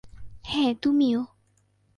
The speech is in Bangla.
হ্যাঁ, তুমিও।